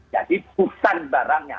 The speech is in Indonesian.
jadi bukan barangnya